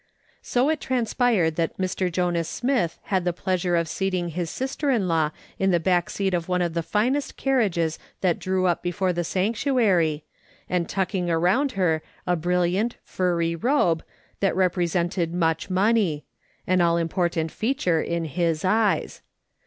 So it transpired that Mr. Jonas Smith had the pleasure of seating his sister in law in the back seat of one of the finest carriages that drew up before the sanctuary, and tucking around her a brilliant, furry robe that represented much money — an all important feature in his eyes.